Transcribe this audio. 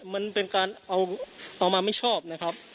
มันเป็นการเอามาไม่ชอบนะครับ